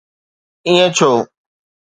ائين ڇو؟